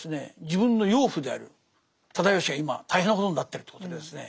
自分の養父である直義が今大変なことになってるということでですね